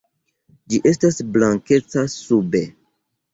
Ĝi estas blankeca sube.